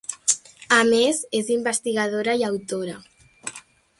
A més, és investigadora i autora.